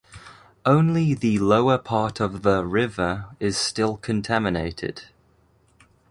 Only the lower part of the river is still contaminated.